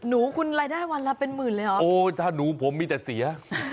หนูคุณรายได้วันละเป็นหมื่นเลยเหรอโอ้ถ้าหนูผมมีแต่เสีย